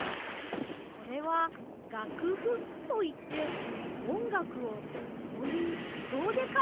これは「がくふ」といっておんがくをこういうきごうでかいたものですよ。